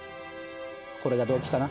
これが動機かな。